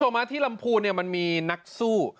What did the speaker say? ส่วนมาที่ลำพูนมันมีนักสู้